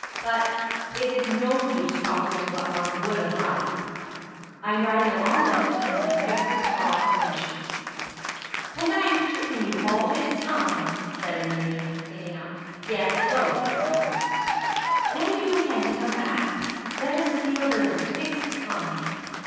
But it is no use talking of what one would have liked. I am writing a long letter to him at every pause of leisure." "And I'm keeping you all this time," said Erminia, getting up, yet loth to go. "When do you intend to come back? Let us feel there is a fixed time.